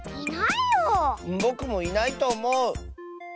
ぼくもいないとおもう。